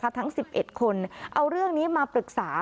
ทำงานทั้งสิบเอ็ดคนเอาเรื่องนี้มาปรึกษา